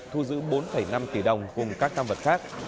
thu giữ bốn năm tỷ đồng cùng các tam vật khác